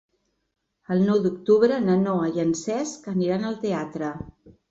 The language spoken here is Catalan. El nou d'octubre na Noa i en Cesc aniran al teatre.